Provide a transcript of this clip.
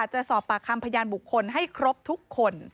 จะสอบปากคำพยานบุคคลให้ครบทุกคน